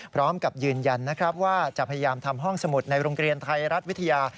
พร้อมกับยืนยันนะครับว่าจะพยายามทำห้องสมุดในโรงเรียนไทยรัฐวิทยา